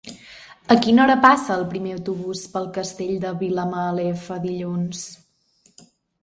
A quina hora passa el primer autobús per el Castell de Vilamalefa dilluns?